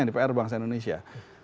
nah ini kan pr bangsa indonesia